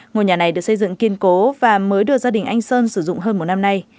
ngôi nhà này được xây dựng kiên cố và mới được gia đình anh sơn sử dụng hơn một năm nay